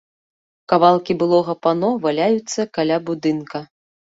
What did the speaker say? Кавалкі былога пано валяюцца каля будынка.